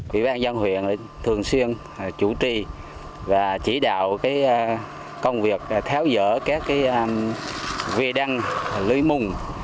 ủy ban dân huyện thường xuyên chủ trì và chỉ đạo công việc tháo dỡ các vệ đăng lưới mung